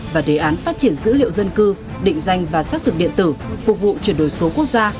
và đề án phát triển dữ liệu dân cư định danh và xác thực điện tử phục vụ chuyển đổi số quốc gia